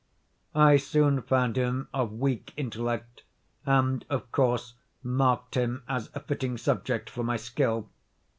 I soon found him of weak intellect, and, of course, marked him as a fitting subject for my skill.